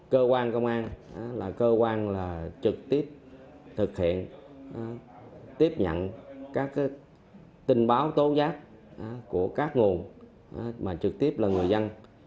cơ quan công an là cơ quan là trực tiếp thực hiện tiếp nhận các tin báo tố giác của các nguồn mà trực tiếp là người dân